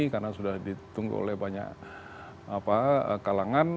karena sudah ditunggu oleh banyak kalangan